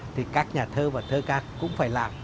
thì các nhà thơ và thơ ca cũng phải làm